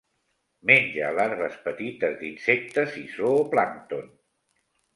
Menja larves petites d'insectes i zooplàncton.